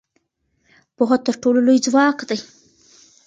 پوهه تر ټولو لوی ځواک دی.